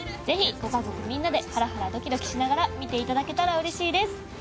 ぜひご家族みんなでハラハラドキドキしながら見ていただけたらうれしいです